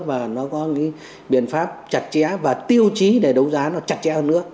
và nó có cái biện pháp chặt chẽ và tiêu chí để đấu giá nó chặt chẽ hơn nữa